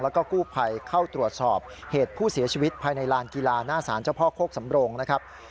แล้วก็กู้ภัยเข้าตรวจสอบเหตุผู้เสียชีวิตภายในลานกีฬาหน้าสารเจ้าพ่อโคกสำโรงนะครับ